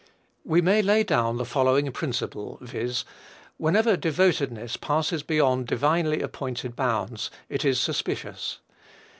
We may lay down the following principle, viz., whenever devotedness passes beyond divinely appointed bounds it is suspicious.